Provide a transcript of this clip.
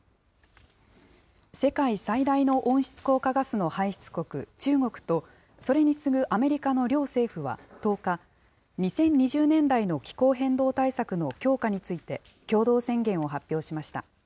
世界最大の温室効果ガスの排出国、中国とそれに次ぐアメリカの両政府は１０日、２０２０年代の気候変動対策の強化について、共同宣言を発表しました。